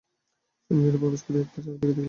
শয়নগৃহে প্রবেশ করিয়া একবার চারিদিক দেখিলেন।